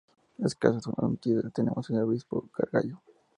Escasas son las noticias que tenemos del Obispo Gargallo.